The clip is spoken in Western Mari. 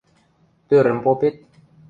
— Тӧрӹм попет.